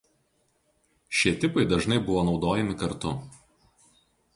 Šie tipai dažnai buvo naudojami kartu.